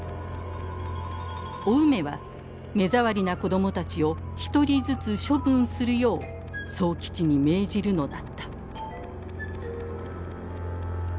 お梅は目障りな子供たちを一人ずつ処分するよう宗吉に命じるのだった。